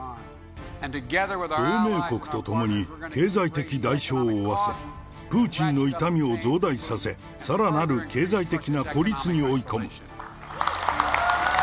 同盟国と共に、経済的代償を負わせ、プーチンの痛みを増大させ、さらなる経済的な孤立に追い込む。